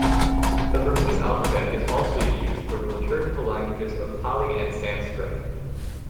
The Burmese alphabet is also used for the liturgical languages of Pali and Sanskrit.